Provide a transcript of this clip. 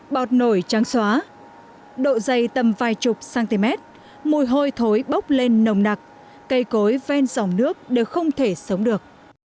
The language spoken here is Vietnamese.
bọt nổi trắng xóa độ dày tầm vài chục cm mùi hôi thối bốc lên nồng nặc cây cối ven dòng nước đều không thể sống được